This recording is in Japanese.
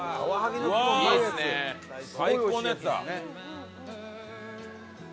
最高のやつだ。